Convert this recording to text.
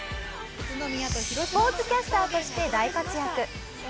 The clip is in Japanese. スポーツキャスターとして大活躍！